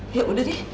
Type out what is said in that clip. ya udah deh